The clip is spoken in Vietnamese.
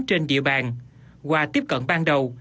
trên địa bàn qua tiếp cận ban đầu